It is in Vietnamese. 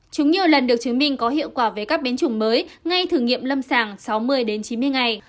chúng nhiều lần được chứng minh có hiệu quả về các biến chủng mới ngay thử nghiệm lâm sàng sáu mươi đến chín mươi ngày